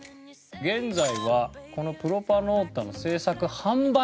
現在はこのプロパノータの製作販売。